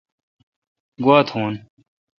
گوا تھون